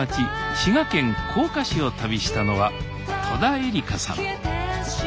滋賀県甲賀市を旅したのは戸田恵梨香さん。